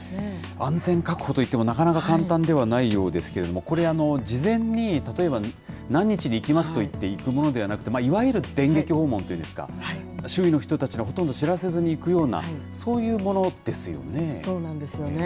安全確保といってもなかなか簡単ではないようですけれども、これ、事前に例えば何日に行きますと言って行くものではなくて、いわゆる電撃訪問っていうんですか、周囲の人たちにほとんど知らせずに行くような、そういうものですそうなんですよね。